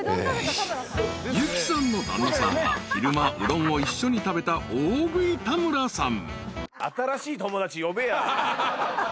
［由紀さんの旦那さんは昼間うどんを一緒に食べた大食い田村さん］